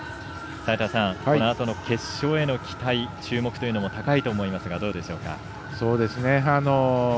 このあとの決勝への期待注目というのも高いと思いますがどうでしょうか。